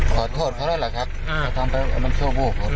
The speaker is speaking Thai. ขอโทษเขาเลยแหละครับแต่อะไรก็ทำไปขนปนิดหนึ่ง